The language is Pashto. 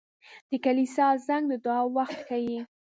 • د کلیسا زنګ د دعا وخت ښيي.